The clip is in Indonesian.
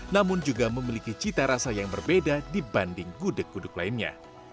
namun juga memiliki cita rasa yang berbeda dibanding gudeg gudeg lainnya